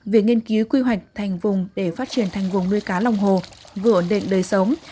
việc nghiên cứu quy hoạch thành vùng để phát triển thành vùng nuôi cá lòng hồ vừa ổn định đời sống